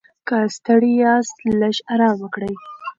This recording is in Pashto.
که ستړي یاست، لږ ارام وکړئ.